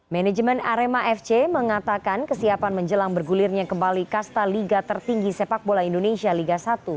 manajemen arema fc mengatakan kesiapan menjelang bergulirnya kembali kasta liga tertinggi sepak bola indonesia liga satu